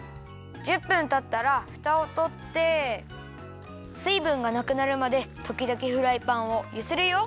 １０分たったらフタをとってすいぶんがなくなるまでときどきフライパンをゆするよ。